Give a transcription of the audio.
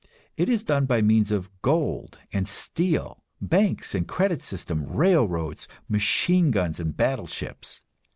It is done by means of gold and steel, banks and credit systems, railroads, machine guns and battleships.